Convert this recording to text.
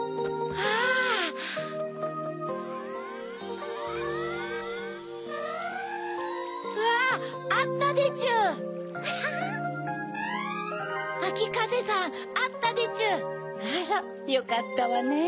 あらよかったわね。